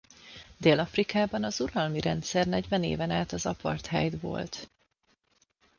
Dél-Afrikában az uralmi rendszer negyven éven át az apartheid volt.